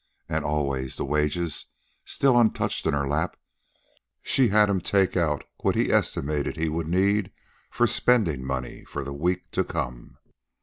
And always, the wages still untouched in her lap, she had him take out what he estimated he would need for spending money for the week to come.